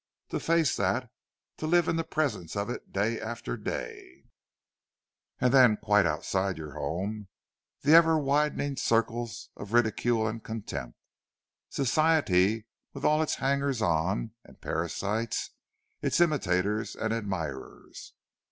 To face that—to live in the presence of it day after day! And then, outside of your home, the ever widening circles of ridicule and contempt—Society, with all its hangers on and parasites, its imitators and admirers!